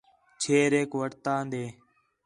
چھیریک وٹھتان٘دے